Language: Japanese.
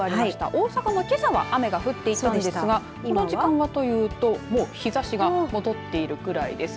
大阪もけさは雨が降っていまたんですがこの時間はというともう日ざしが戻っているぐらいです。